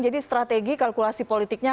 jadi strategi kalkulasi politiknya